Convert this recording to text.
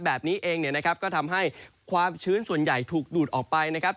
แบบนี้เองก็ทำให้ความชื้นส่วนใหญ่ถูกดูดออกไปนะครับ